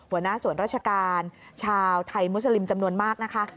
หัวหน้าส่วนราชการชาวไทยมุสลิมจำนวนมากนะคะ